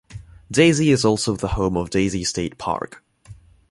Daisy is also the home of Daisy State Park.